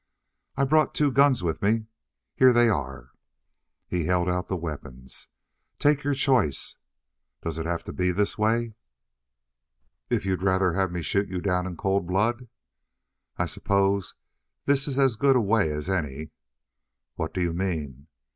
"I brought two guns with me. Here they are." He held out the weapons. "Take your choice." "Does it have to be this way?" "If you'd rather have me shoot you down in cold blood?" "I suppose this is as good a way as any." "What do you mean?"